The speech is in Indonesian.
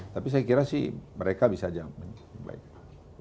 tapi saya kira mereka bisa dijamin